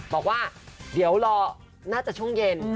บอกว่าเดี๋ยวรอน่าจะช่วงเย็น